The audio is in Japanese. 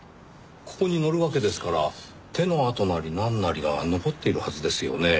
ここに乗るわけですから手の跡なりなんなりが残っているはずですよね。